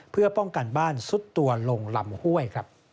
เพื่อป้องกันบ้านซุดตัวลงลำห้วย